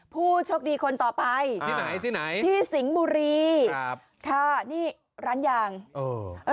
ผู้โชคดีคนต่อไปที่ไหนที่ไหนที่สิงห์บุรีครับค่ะนี่ร้านยางเออ